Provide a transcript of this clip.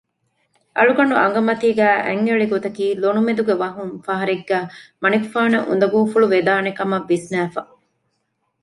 އަޅުގަނޑު އަނގަމަތީގައި އަތްއެޅިގޮތަކީ ލޮނުމެދުގެ ވަހުން ފަހަރެއްގައި މަނިކުފާނަށް އުނދަގޫފުޅު ވެދާނެކަމަށް ވިސްނައިފަ